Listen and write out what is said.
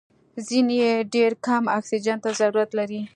ځینې یې ډېر کم اکسیجن ته ضرورت لري.